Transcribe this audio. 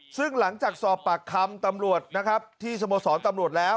ซึ่งหลังจากสอบปากคำตำรวจนะครับที่สโมสรตำรวจแล้ว